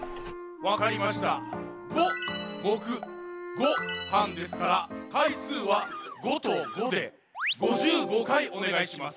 もく「ご」はんですからかいすうは５と５で５５かいおねがいします。